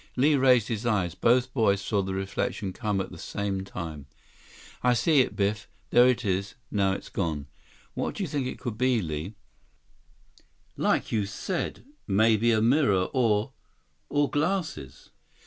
Li raised his eyes. Both boys saw the reflection come at the same time. "I see it, Biff. There it is. Now it's gone." "What do you think it could be, Li?" "Like you said, maybe a mirror or—or glasses."